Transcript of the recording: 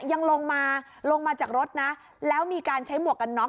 หลงมาจากรถแล้วมีการใช้หมวกกันน้อง